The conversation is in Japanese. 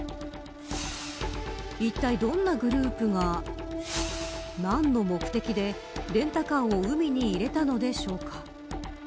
いったいどんなグループが何の目的でレンタカーを海に入れたのでしょうか。